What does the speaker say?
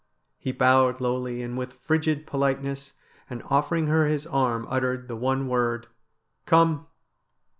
He bowed lowly and with frigid politeness, and offering her his arm uttered the one word :' Come